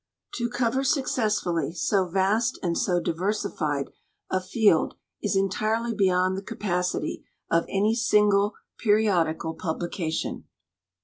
To cover successfully so vast and so diversified a field is entirely beyond the capacity of any single periodical publication.